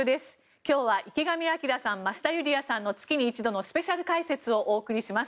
今日は池上彰さん増田ユリヤさんによる月に一度のスペシャル解説をお送りします。